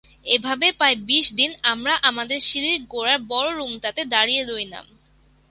এভাবে প্রায় বিশদিন আমরা আমাদের সিঁড়ির গোড়ার বড় রুমটাতে দাঁড়িয়ে রইলাম।